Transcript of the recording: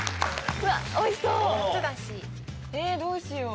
ええどうしよう。